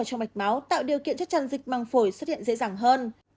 ở trong mạch máu tạo điều kiện cho tràn dịch măng phổi xuất hiện dễ dàng hơn